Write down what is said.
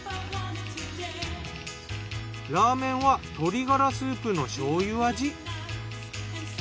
ラーメンは鶏ガラスープの醤油味。